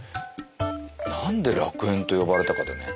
何で楽園と呼ばれたかだよね。